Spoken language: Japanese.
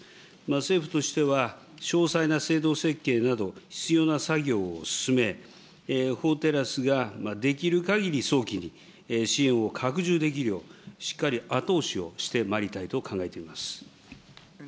政府としては詳細な制度設計など、必要な作業を進め、法テラスができるかぎり早期に支援を拡充できるよう、しっかり後押しをしてまいりたいと考えています。